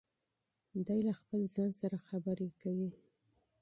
دی له خپل ځان سره خبرې کوي.